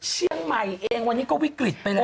เชียงใหม่เองวันนี้ก็วิกฤตไปแล้ว